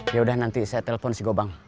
yaudah nanti saya telpon si gobang